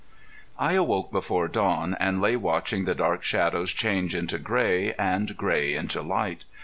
XIV I awoke before dawn, and lay watching the dark shadows change into gray, and gray into light.